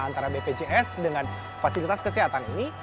antara bpjs dengan vaskes ini